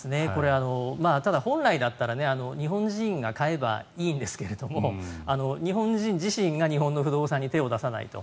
ただ、本来だったら日本人が買えばいいんですけど日本人自身が日本の不動産に手を出さないと。